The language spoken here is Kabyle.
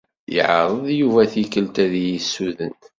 Yeɛṛeḍ Yuba tikkelt ad iyi-ssuden.